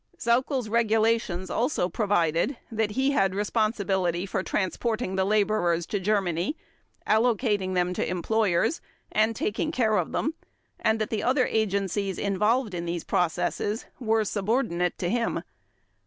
Sauckel's regulations also provided that he had responsibility for transporting the laborers to Germany, allocating them to employers and taking care of them, and that the other agencies involved in these processes were subordinate to him.